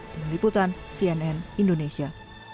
tim liputan cnn indonesia